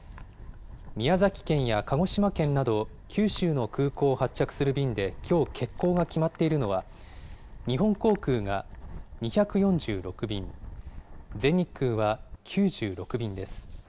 宮崎県や鹿児島県など、九州の空港を発着する便できょう欠航が決まっているのは、日本航空が２４６便、全日空は９６便です。